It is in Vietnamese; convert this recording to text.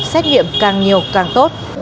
xét nghiệm càng nhiều càng tốt